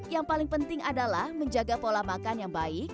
yang paling penting adalah menjaga pola makan yang baik